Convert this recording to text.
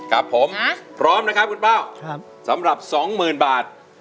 กับผมพร้อมนะครับคุณเบ้าสำหรับ๒๐๐๐บาท